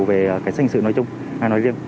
về cái sanh sự nói chung